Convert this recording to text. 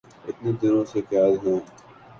اتنے دنوں سے قید ہیں